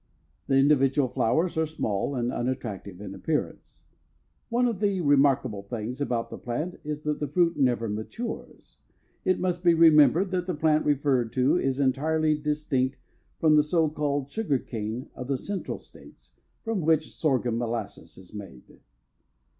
The individual flowers are small and unattractive in appearance. One of the remarkable things about the plant is that the fruit never matures. It must be remembered that the plant referred to is entirely distinct from the so called sugar cane of the Central States from which sorghum molasses is made.